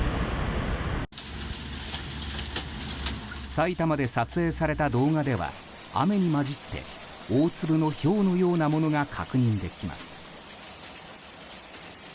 埼玉で撮影された動画では雨に交じって大粒のひょうのようなものが確認できます。